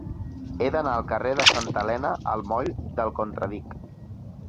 He d'anar del carrer de Santa Elena al moll del Contradic.